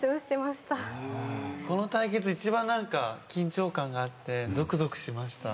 この対決一番緊張感があってぞくぞくしました。